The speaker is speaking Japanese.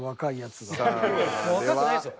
もう若くないですよ。